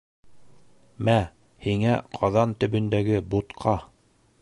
Мә, һиңә ҡаҙан төбөндәге бутҡа!